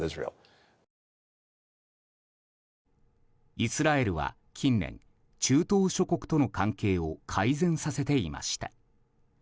イスラエルは近年中東諸国との関係を改善させていました。